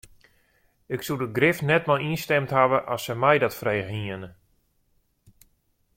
Ik soe der grif net mei ynstimd hawwe as se my dat frege hiene.